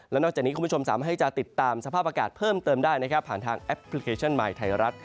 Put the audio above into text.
และนอกจากนี้คุณผู้ชมสามารถให้จะติดตามสภาพอากาศเพิ่มเติมได้นะครับผ่านทางแอปพลิเคชันใหม่ไทยรัฐ